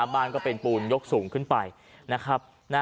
บ้านก็เป็นปูนยกสูงขึ้นไปนะครับ